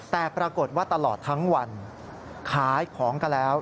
แต่ปรากฏว่าตลอดทั้งวันขายของกันแล้ว